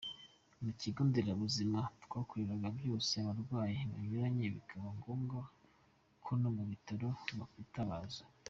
Mu kigo nderabuzima, twakoreraga byose abarwayi banyuranye bikaba ngombwa ko no mu bitaro batwitabaza.